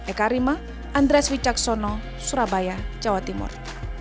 eka rima andres wicaksono surabaya jawa timur